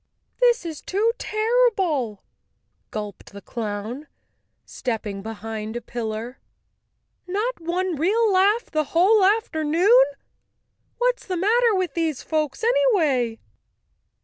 "This is too terrible," gulped the clown, stepping be¬ hind a pillar. "Not one real laugh the whole after¬ noon! What's the matter with these folks anyway?"